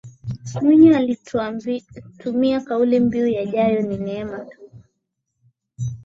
Mwinyi alitumia kauli mbiu yajayo ni neema tupu